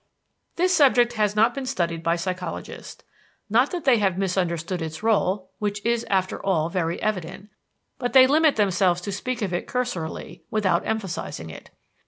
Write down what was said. This subject has not been studied by psychologists. Not that they have misunderstood its rôle, which is, after all, very evident; but they limit themselves to speak of it cursorily, without emphasizing it.